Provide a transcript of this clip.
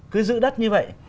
cứ giữ đất như vậy